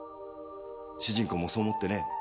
主人公もそう思ってね